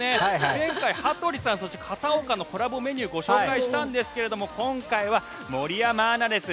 前回、羽鳥さんそして片岡のコラボメニューをご紹介したんですが今回は森山アナです。